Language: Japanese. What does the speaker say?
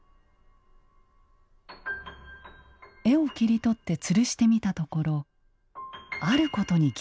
絵を切り取ってつるしてみたところあることに気付きます。